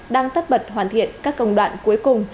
đang tất bật hoàn thiện các công đoạn cuối cùng